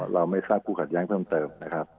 เราไม่ทราบคู่ขัดแย้งเพิ่มเติม